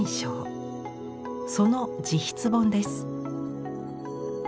その自筆本です。